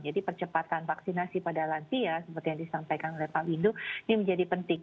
jadi percepatan vaksinasi pada lansia seperti yang disampaikan oleh pak windu ini menjadi penting